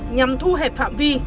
nhằm thu hẹp phạm vi